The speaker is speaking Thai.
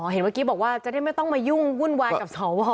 เห็นเมื่อกี้บอกว่าจะได้ไม่ต้องมายุ่งวุ่นวายกับสว